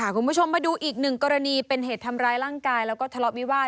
คุณผู้ชมมาดูอีกหนึ่งกรณีเป็นเหตุทำร้ายร่างกายแล้วก็ทะเลาะวิวาส